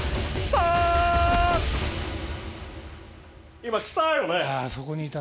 今、来たーよね！